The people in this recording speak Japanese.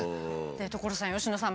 所さん佳乃さん。